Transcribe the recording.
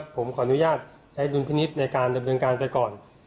ผมขออนุญาตใช้ดุลพินิษฐ์ในการดำเนินการไปก่อน